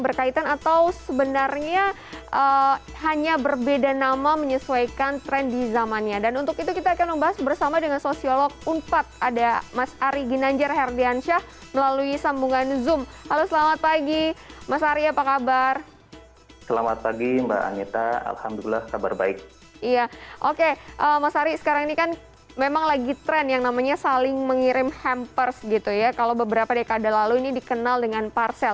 oke mas ari sekarang ini kan memang lagi tren yang namanya saling mengirim hampers gitu ya kalau beberapa dekade lalu ini dikenal dengan parcel